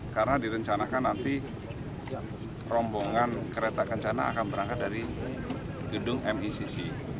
karena direncanakan nanti rombongan kereta kencana akan berangkat dari gedung micc